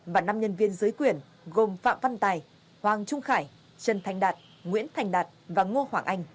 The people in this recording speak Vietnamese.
và năm nhân viên dưới quyền gồm phạm văn tài hoàng trung khải trần thành đạt nguyễn thành đạt và ngô hoàng anh